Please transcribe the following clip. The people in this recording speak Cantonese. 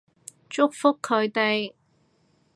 祝福佢哋